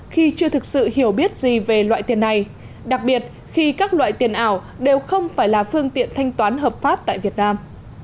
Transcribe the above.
khi chưa thực sự hiểu biết gì về loại tiền này đặc biệt khi các loại tiền ảo đều không phải là phương tiện thanh toán hợp pháp tại việt nam